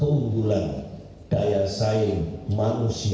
keunggulan daya saing manusianya